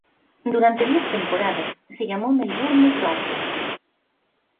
Durante diez temporadas se llamó "Melbourne Croatia".